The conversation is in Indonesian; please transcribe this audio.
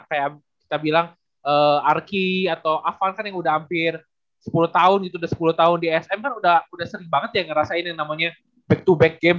kayak kita bilang arki atau avan kan yang udah hampir sepuluh tahun gitu udah sepuluh tahun di asm kan udah udah sering banget ya ngerasain yang namanya back to back games